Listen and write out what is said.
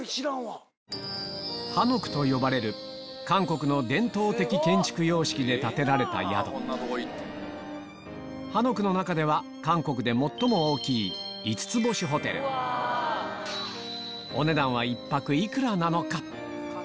韓国の伝統的建築様式で建てられた宿韓屋の中では韓国で最も大きい五つ星ホテルお値段は１泊幾らなのか？